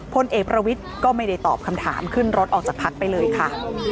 พลเอกประวิทย์ก็ไม่ได้ตอบคำถามขึ้นรถออกจากพักไปเลยค่ะ